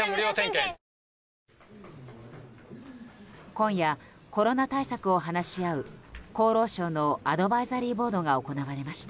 今夜コロナ対策を話し合う厚労省のアドバイザリーボードが行われました。